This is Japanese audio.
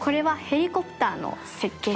ヘリコプターの設計？